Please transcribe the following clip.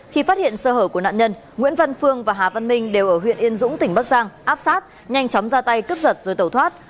khi phát hiện sơ hở của nạn nhân nguyễn văn phương và hà văn minh đều ở huyện yên dũng tỉnh bắc giang áp sát nhanh chóng ra tay cướp giật rồi tẩu thoát